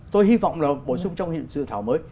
tôi hy vọng là bổ sung trong dự thảo mới